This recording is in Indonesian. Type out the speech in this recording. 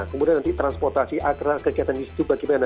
kemudian nanti transportasi agra kegiatan di situ bagaimana